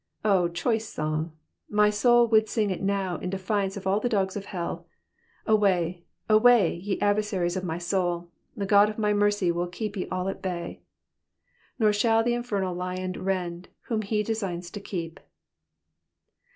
Oh, choice song ! My soul would sing it now in defiance of all the dogs of hell. Away, away, ye wiversaries of my soul, the God of my mercy will keep ye all at bay —'" Nor shall th» infernal lion rend Whom he designs to keep."